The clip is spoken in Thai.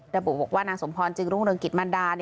และบุปกรณ์ว่านางสมพรจึงรุงเรืองกิตมันดา